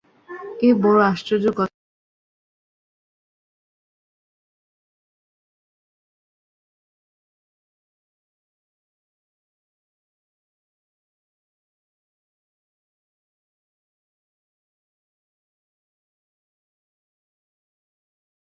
ওঁরা কি আমার স্বামীর এ দাক্ষিণ্যের মর্যাদা বোঝেন, না তার যোগ্য ওঁরা?